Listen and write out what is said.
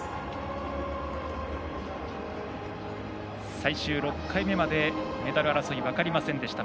最終６回目までメダル争い分かりませんでした。